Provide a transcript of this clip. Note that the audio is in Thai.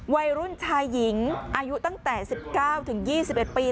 วัยรุ่นชายหญิงอายุตั้งแต่สิบเก้าถึงยี่สิบเอ็ดปี